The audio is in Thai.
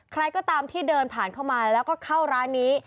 ใครก็ตามที่เดินผ่านเข้ามาแล้วก็เข้าร้านนี้